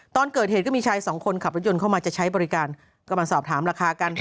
ตอนเกิดเหตุก็มีชายสองคนขับรถยนต์เข้ามาจะใช้บริการก็มาสอบถามราคากัน